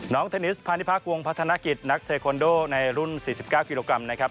เทนนิสพาณิพักษวงพัฒนกิจนักเทคอนโดในรุ่น๔๙กิโลกรัมนะครับ